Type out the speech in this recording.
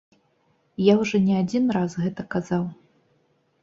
Я ўжо не адзін раз гэта казаў.